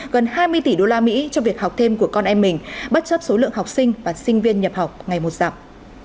gần hai mươi tỷ đô la mỹ cho việc học thêm của con em mình bất chấp số lượng học sinh và sinh viên nhập học ngày một giảm